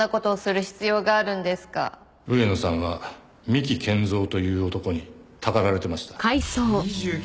上野さんは三木賢三という男にたかられていました。